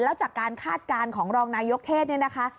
แล้วจากการคาดการณ์ของรองนายกเทศเนี่ยนะคะ